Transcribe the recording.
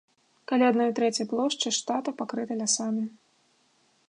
Каля адной трэці плошчы штата пакрыта лясамі.